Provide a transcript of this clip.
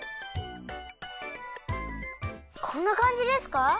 こんなかんじですか？